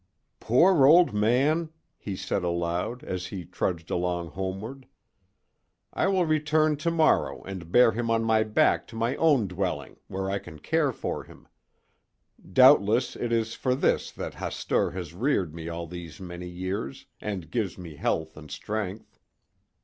"Poor old man!" he said aloud, as he trudged along homeward. "I will return to morrow and bear him on my back to my own dwelling, where I can care for him. Doubtless it is for this that Hastur has reared me all these many years, and gives me health and strength."